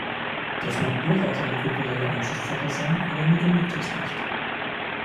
Das mag durchaus eine kulturelle Ansichtssache sein, aber mir genügt das nicht.